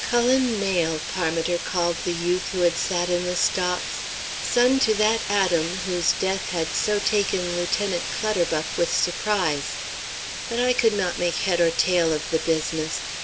Cullen Mayle, Parmiter called the youth who had sat in the stocks, son to that Adam whose death had so taken Lieutenant Clutterbuck with surprise. But I could not make head or tail of the business.